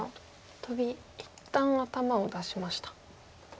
一旦頭を出しました。